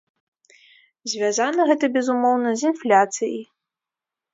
Звязана гэта, безумоўна, з інфляцыяй.